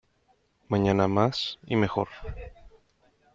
Mañana más, y mejor